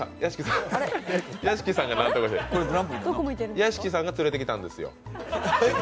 屋敷さんが連れてきたんですよ。